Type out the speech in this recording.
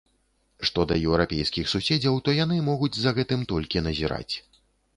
Што да еўрапейскіх суседзяў, то яны могуць за гэтым толькі назіраць.